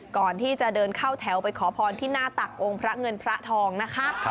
ก่อนที่จะเดินเข้าแถวไปขอพรที่หน้าตักองค์พระเงินพระทองนะคะ